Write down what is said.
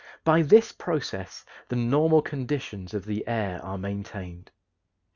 By this process the normal conditions of the air are maintained.